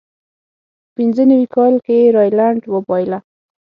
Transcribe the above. په پینځه نوي کال کې یې راینلنډ وبایله.